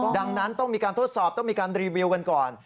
ดังนั้นต้องมีการทดสอบต้องมีการรีวิวกันก่อน